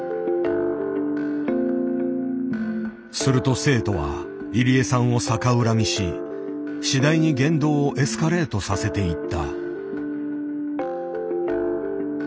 すると生徒は入江さんを逆恨みし次第に言動をエスカレートさせていった。